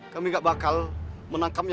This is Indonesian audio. kami gak bakal menangkapnya